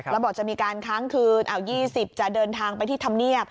ระบบจะมีการค้างคืนเอ้า๒๐จะเดินทางไปที่ธรรมเนียบ